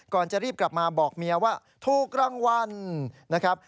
ก่อนจะรีบกลับมาบอกเมียว่าถูกรางวัลนะครับ